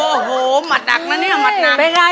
โอ้โหหมดดักนะเนี่ย